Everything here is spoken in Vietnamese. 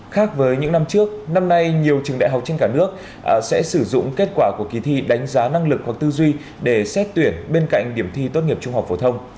khác với những năm trước năm nay nhiều trường đại học trên cả nước sẽ sử dụng kết quả của kỳ thi đánh giá năng lực hoặc tư duy để xét tuyển bên cạnh điểm thi tốt nghiệp trung học phổ thông